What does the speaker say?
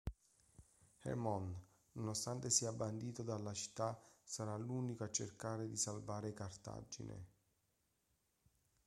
Hermon, nonostante sia bandito dalla città, sarà l'unico a cercare di salvare Cartagine.